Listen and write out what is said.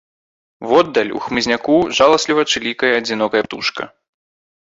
Воддаль, у хмызняку, жаласліва чылікае адзінокая птушка.